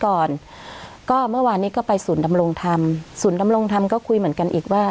ก่อนก็เมื่อวานนี้ก็ไปศูนย์ดำรงธรรมศูนย์ดำรงธรรมก็คุยเหมือนกันอีกว่า